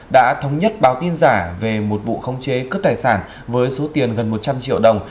đã thống nhất báo tin giả về một vụ không chế cướp tài sản với số tiền gần một trăm linh triệu đồng